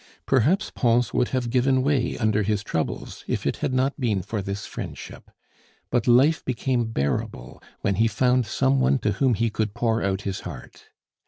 Perhaps Pons would have given way under his troubles if it had not been for this friendship; but life became bearable when he found some one to whom he could pour out his heart.